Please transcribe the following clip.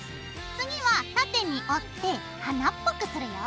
次は縦に折って花っぽくするよ。